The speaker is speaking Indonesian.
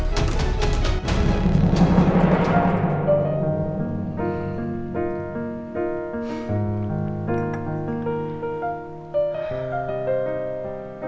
yang bel tornar